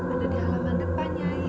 ada di halaman depan nyai